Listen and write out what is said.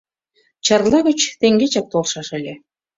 Чарла гыч теҥгечак толшаш ыле...